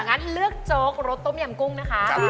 งั้นเลือกโจ๊กรสต้มยำกุ้งนะคะ